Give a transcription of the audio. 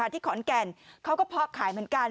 ที่ขอนแก่นเขาก็เพาะขายเหมือนกัน